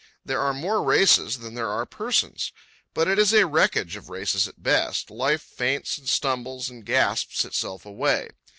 There are more races than there are persons, but it is a wreckage of races at best. Life faints and stumbles and gasps itself away.